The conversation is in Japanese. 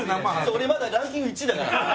俺まだランキング１位だから。